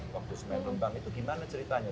waktu semen lumbang itu gimana ceritanya